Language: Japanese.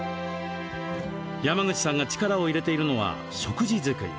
山口さんが力を入れているのは食事作り。